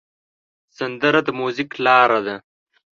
سندره د میوزیک لاره ده